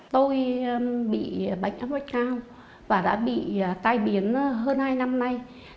tôi bị bệnh áp bệnh cao và đã bị tai biến hơn hai năm nay